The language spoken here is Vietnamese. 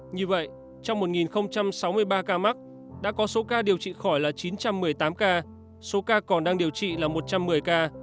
như vậy trong một sáu mươi ba ca mắc đã có số ca điều trị khỏi là chín trăm một mươi tám ca số ca còn đang điều trị là một trăm một mươi ca